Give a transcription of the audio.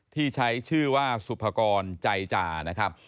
ที่ใช้ชื่อว่าสุภกรใจจา